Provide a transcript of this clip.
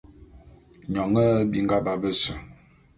Nyone nhe binga ba bese.